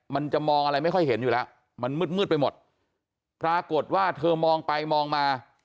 มันจะมองอะไรไม่ค่อยเห็นอยู่แล้วมันมืดมืดไปหมดปรากฏว่าเธอมองไปมองมา